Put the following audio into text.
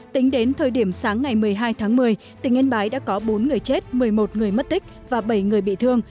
tính đến thời điểm sáng ngày một mươi hai tháng một mươi tỉnh yên bái đã có bốn người chết một mươi một người mất tích và bảy người bị thương